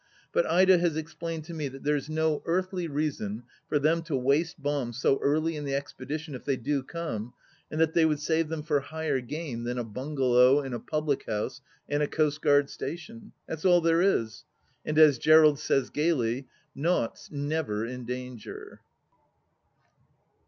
But Ida has explained to me that there's no earthly reason for them to waste bombs so early in the expedition, if they do come, and that they would save them for higher game than a bungalow and a public house and a coastguard station. That's all there is. And as Gerald says gaily ;" Nought's never in Danger!